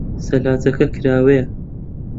سەلاجەکە کراوەیە.